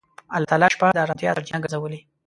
الله تعالی شپه د آرامتیا سرچینه ګرځولې.